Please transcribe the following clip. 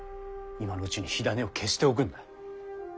今のうちに火種を消しておくんだ。